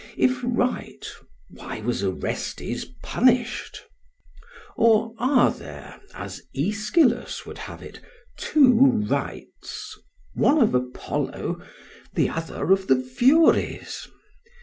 If right, why was Orestes punished? Or are there, as Aeschylus would have it, two "rights", one of Apollo, the other of the Furies?